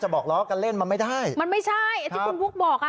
บอกล้อกันเล่นมันไม่ได้มันไม่ใช่ไอ้ที่คุณบุ๊กบอกอ่ะ